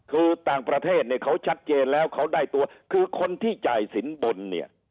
คือต่างประเทศเนี่ยเขาชัดเจนแล้วเขาได้ตัวคือคนที่จ่ายสินบนเนี่ย